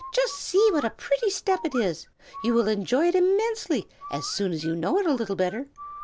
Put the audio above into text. just see what a pretty step it is! You will enjoy it immensely, as soon as you know it a little better."